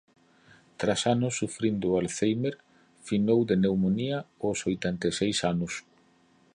Tras anos sufrindo o alzhéimer finou de pneumonía aos oitenta e seis anos.